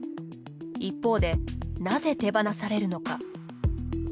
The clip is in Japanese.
一方で、なぜ手放されるのか。